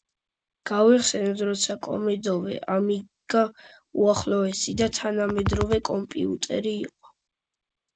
გავიხსენოთ, როცა კომოდორე ამიგა უახლესი და თანამედროვე კომპიუტერი იყო.